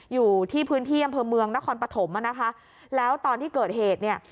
อยู่ที่พื้นที่อำเภอเมืองนครปฐมอ่ะนะคะแล้วตอนที่เกิดเหตุเนี่ย